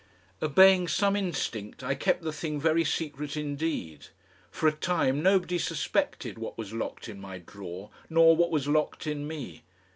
Obeying some instinct I kept the thing very secret indeed. For a time nobody suspected what was locked in my drawer nor what was locked in me.